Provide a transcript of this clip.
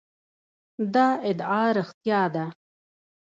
دا ادعا رښتیا ده.